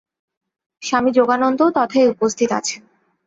স্বামী যোগানন্দও তথায় উপস্থিত আছেন।